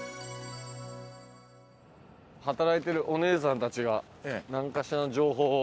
働いてるお姉さんたちがなんかしらの情報を。